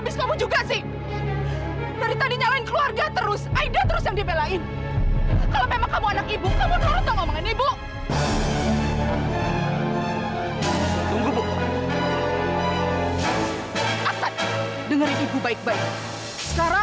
sampai jumpa di video selanjutnya